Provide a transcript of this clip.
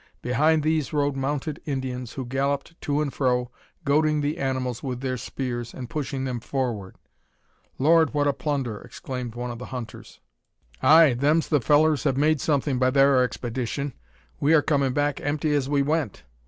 Behind these rode mounted Indians, who galloped to and fro, goading the animals with their spears, and pushing them forward. "Lord, what a plunder!" exclaimed one of the hunters. "Ay, them's the fellows have made something by thar expedition. We are comin' back empty as we went.